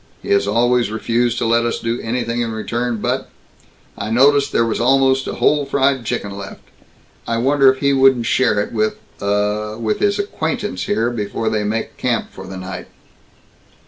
He has always refused to let us do anything in return but I noticed there was almost a whole fried chicken left. I wonder if he wouldn't share it with, uh, with his acquaintance here before before they make camp for the night?"